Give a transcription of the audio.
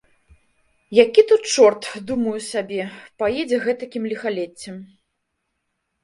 Які тут чорт, думаю сабе, паедзе гэтакім ліхалеццем.